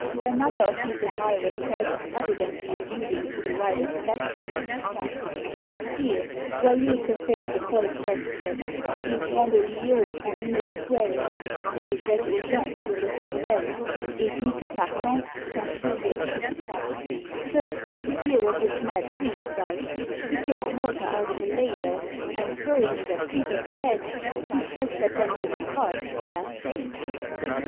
Another of these admirers says, evidently alluding to the rite of baptism, Sire, oyez que fait ce fol prestre: Il prend de l'yaue en une escuele, Et gete aux gens sur le cervele, Et dit que partants sont sauvés! Sir, hear what this mad priest does: He takes water out of a ladle, And, throwing it at people's heads, He says that when they depart they are saved!